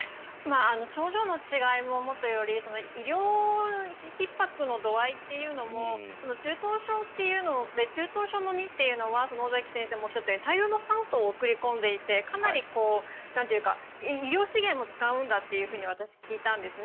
症状の違いももとより医療ひっ迫の度合いというのも中等症というので中等症の２っていうのは尾崎先生もおっしゃったように大量の酸素を送り込んでいてかなり医療資源も使うんだと私、聞いたんですね。